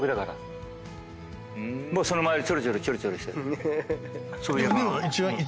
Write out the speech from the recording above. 僕その周りちょろちょろちょろちょろして。